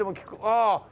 ああ。